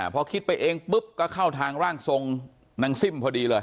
พอคิดไปเองปุ๊บก็เข้าทางร่างทรงนางซิ่มพอดีเลย